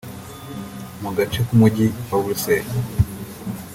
mu gace k’Umujyi wa Buruseli